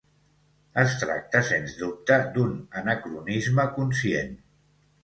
Es tracta, sens dubte, d'un anacronisme conscient.